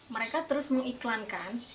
mereka terus mengiklankan